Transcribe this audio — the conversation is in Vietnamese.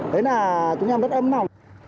đấy là chúng em rất âm mộng